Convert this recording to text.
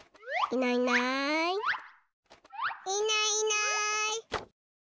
いないいない。